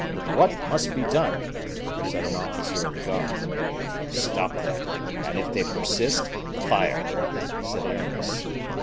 "What must be done?" said an officer of the guard. "Stop them; and if they persist, fire!" said Aramis.